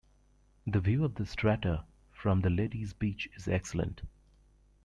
The view of the strata from the Ladies Beach is excellent.